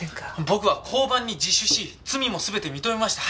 僕は交番に自首し罪も全て認めました。